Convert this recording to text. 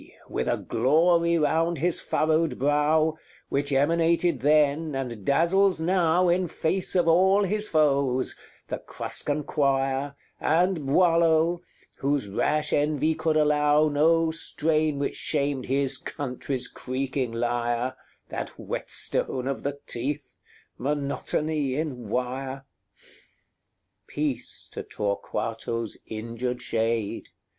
with a glory round his furrowed brow, Which emanated then, and dazzles now In face of all his foes, the Cruscan quire, And Boileau, whose rash envy could allow No strain which shamed his country's creaking lyre, That whetstone of the teeth monotony in wire! XXXIX. Peace to Torquato's injured shade!